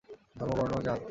ধর্ম, বর্ণ, জাত!